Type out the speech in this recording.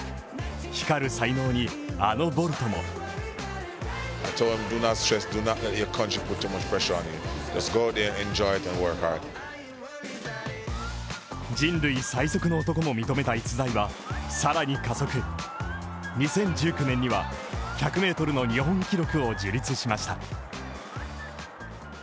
光る才能にあのボルトも人類最速の男も認めた逸材は、さらに加速２０１９年には１００ｍの日本記録を樹立しました。